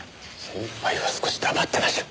先輩は少し黙ってましょ！